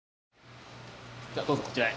じゃあどうぞこちらへ。